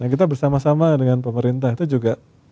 kita bersama sama dengan pemerintah itu juga